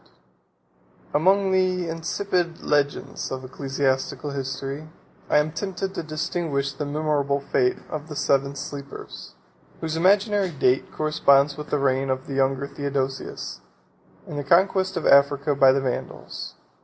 ] Among the insipid legends of ecclesiastical history, I am tempted to distinguish the memorable fable of the Seven Sleepers; 43 whose imaginary date corresponds with the reign of the younger Theodosius, and the conquest of Africa by the Vandals.